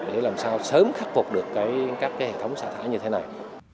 để làm sao sớm khắc phục được các hệ thống xả thải như thế này